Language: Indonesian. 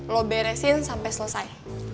lo beresin sampe selesai